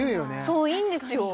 そういいんですよ